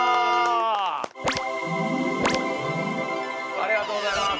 ありがとうございます。